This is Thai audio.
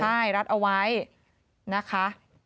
ใช่รัดเอาไว้นะคะ